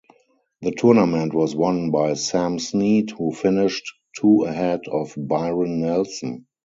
The tournament was won by Sam Snead who finished two ahead of Byron Nelson.